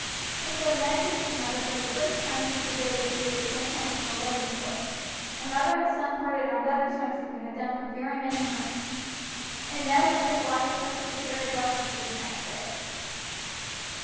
And so Ned kissed his mother for the first time since the day when she had returned home from her wedding tour, and mother and son parted on better terms than they had done for very many months, and Ned went with a lightened heart to prepare his lessons for the next day.